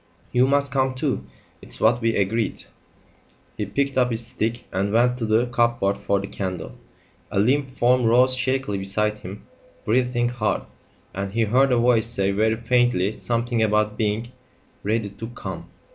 You must come too. It's what we agreed." He picked up his stick and went to the cupboard for the candle. A limp form rose shakily beside him breathing hard, and he heard a voice say very faintly something about being "ready to come."